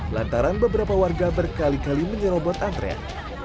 lantaran beberapa warga berkali kali menyerobot antrean